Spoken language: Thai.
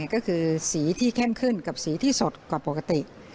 ก็คือสีที่เข้มขึ้นกับสีที่สดกว่าปกติ